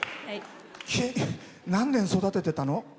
何年育ててたの？